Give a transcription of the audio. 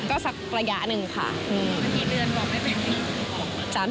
ก็สักประยะหนึ่งค่ะ